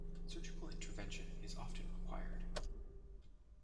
Surgical intervention is often required.